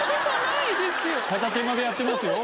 片手間でやってますよ。